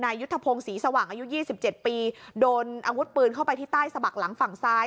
ยุทธพงศ์ศรีสว่างอายุ๒๗ปีโดนอาวุธปืนเข้าไปที่ใต้สะบักหลังฝั่งซ้าย